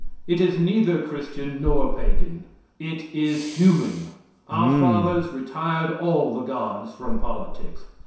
It is neither Christian nor pagan; it is human. Our fathers retired all the gods from politics.